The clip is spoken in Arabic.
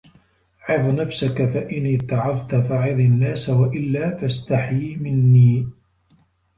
عِظْ نَفْسَك فَإِنْ اتَّعَظَتْ فَعِظْ النَّاسَ وَإِلَّا فَاسْتَحْيِ مِنِّي